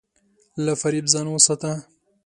له فریب ځان وساته.